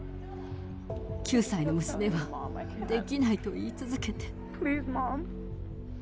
９歳の娘は、できないと言い続けて。